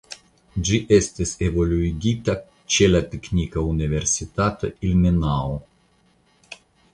Ĝi estis evoluigita ĉe la Teknika Universitato Ilmenau.